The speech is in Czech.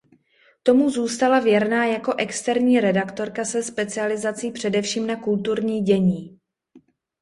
Tomu zůstala věrná jako externí redaktorka se specializací především na kulturní dění.